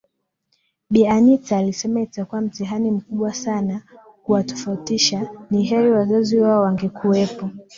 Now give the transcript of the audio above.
Bi anita alisema itakuwa mtihani mkubwa sana kuwatofautisha ni heri wazazi wao wangekuwepo